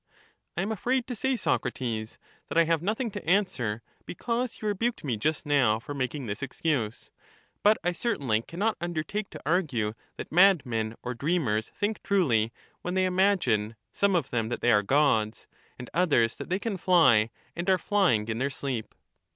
Theaet. I am afraid to say, Socrates, that I have nothing to answer, because you rebuked me just now for making this excuse ; but I certainly cannot undertake to argue that mad men or dreamers think truly, when they imagine, some of them that they are gods, and others that they can fly, and are flying in their sleep.